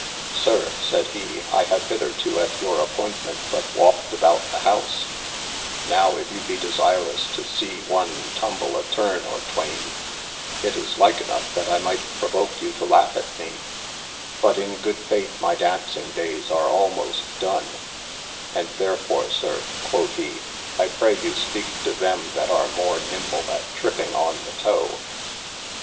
Sir sayd he I have hitherto at your apoyntmet but walked about the house, now if you be desirous to see one tomble a turne or twayne, it is like ynough that I mighte provoke you to laugh at mee, but in good fayth my dauncing 397 THE ADVENTURES dayes are almost done, and therfore sir (quod he) I pray you speake to them that are more nymble at trippinge on the toe.